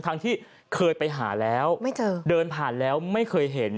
ทั้งที่เคยไปหาแล้วเดินผ่านแล้วไม่เคยเห็น